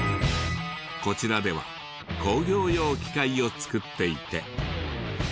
こちらでは工業用機械をつくっていて。